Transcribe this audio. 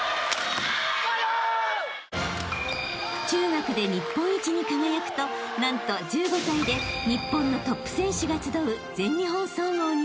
［中学で日本一に輝くと何と１５歳で日本のトップ選手が集う］